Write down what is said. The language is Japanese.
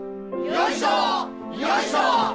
よいしょ！